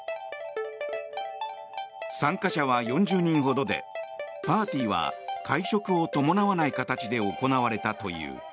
参加者は４０人ほどでパーティーは会食を伴わない形で行われたという。